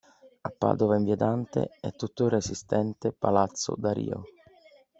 A Padova, in Via Dante, è tuttora esistente Palazzo Da Rio.